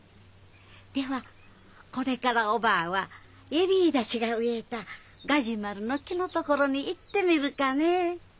ではこれからおばぁは恵里たちが植えたガジュマルの樹の所に行ってみるかね。